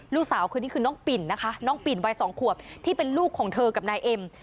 ลูกสาวคนนี้คือน้องปิ่นนะคะน้องปิ่นวัย๒ขวบที่เป็นลูกของเธอกับนายเอ็ม